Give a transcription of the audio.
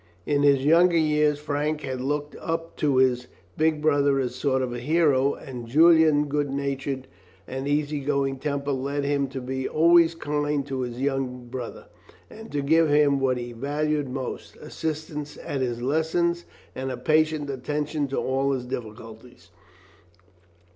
In his younger years Frank had looked up to his big brother as a sort of hero, and Julian's good nature and easy going temper led him to be always kind to his young brother, and to give him what he valued most assistance at his lessons and a patient attention to all his difficulties.